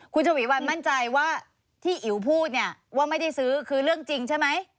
คุณฉวีวันมั่นใจว่าที่อิ๋วพูดเนี่ยว่าไม่ได้ซื้อคือเรื่องจริงใช่ไหม